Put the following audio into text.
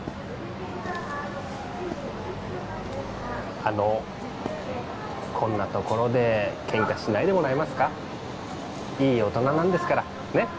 あのこんなところでケンカしないでもらえますか？いい大人なんですからねっ？